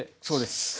そうです。